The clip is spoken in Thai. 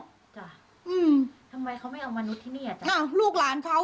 จ้ะอืมทำไมเขาไม่เอามนุษย์ที่นี่อ่ะจ้ะอ้าวลูกหลานเขา